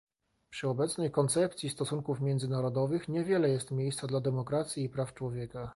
Przy obecnej koncepcji stosunków międzynarodowych niewiele jest miejsca dla demokracji i praw człowieka